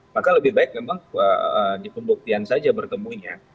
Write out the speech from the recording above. maka lebih baik memang di pembuktian saja bertemunya